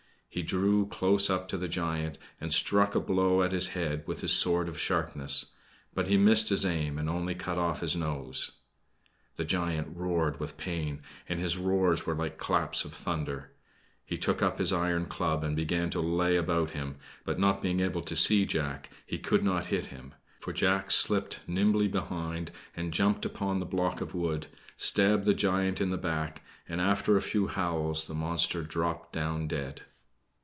He drew close up to the giant and struck a blow at his head with his sword of sharpness; but he missed his aim and only cut off his nose. The giant roared with pain, and his roars were like claps of thunder. He took up his iron club and began to lay about him, but not being able to see Jack, he could not hit him; for Jack slipped nimbly behind, and jumping upon the block of wood, stabbed the giant in the back; and after a few howls, the monster dropped down dead.